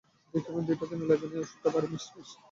দেখিবেন, দুইটাতে মিলাইবেন না, এ ওষুধটা ভারি বিষ।